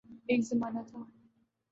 ایک زمانہ تھا۔